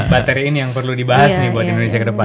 bateri ini yang perlu dibahas nih buat indonesia kedepan